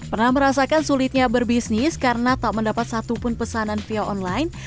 pernah merasakan sulitnya berbisnis karena tak mendapat satupun pesanan via online